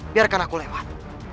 biarkan aku lewat